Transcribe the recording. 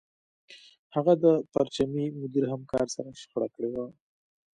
هغه د پرچمي مدیر همکار سره شخړه کړې وه